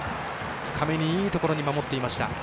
深めにいいところに守っていました。